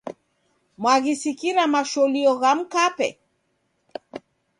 Mwaghisikira masholio gha mkape?